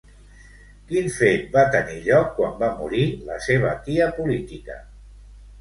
Quin fet va tenir lloc quan va morir la seva tia política?